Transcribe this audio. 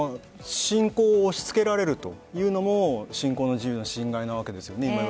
信仰を押しつけられるというのも信仰の自由の侵害なわけです。